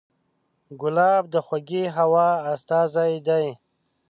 ګلاب د خوږې هوا استازی دی.